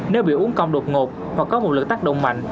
nếu bị uống công đột ngột hoặc có một lực tác động mạnh